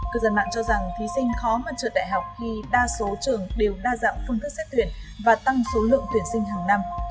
cư dân mạng cho rằng thí sinh khó mà trượt đại học khi đa số trường đều đa dạng phương thức xét tuyển và tăng số lượng tuyển sinh hàng năm